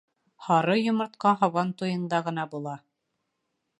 Һары йомортҡа һабан туйында ғына була.